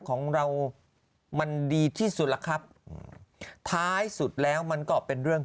ของเรามันดีที่สุดล่ะครับท้ายสุดแล้วมันก็เป็นเรื่อง